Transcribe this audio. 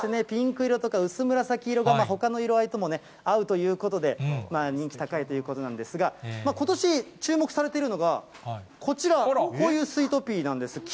ピンク色とか、薄紫色がほかの色合いとも合うということで、人気高いということなんですが、ことし、注目されてるのが、こちら、こういうスイートピーなんです。